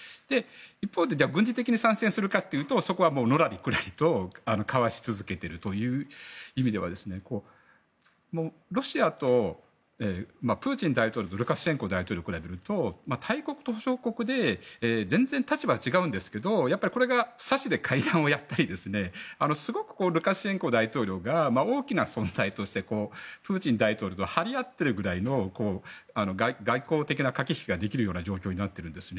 一方で軍事的に参戦するかというとそこは、のらりくらりとかわし続けているという意味ではロシアのプーチン大統領とルカシェンコ大統領で言うと大国と小国で全然立場は違うんですけどやっぱりこれはさしで会談をやったりルカシェンコ大統領がすごく大きな存在としてプーチン大統領と張り合っているぐらいの外交的な駆け引きができるような状況になっているんですね。